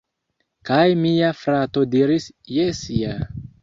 Kaj mia frato diris: "Jes ja!"